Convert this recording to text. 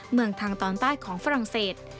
เมืองทางตอนใต้ของฝรั่งเศส